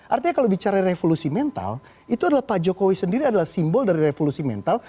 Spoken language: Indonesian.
artinya kalau bicara revolusi mental itu adalah pak jokowi sendiri adalah simbol dari revolusi mental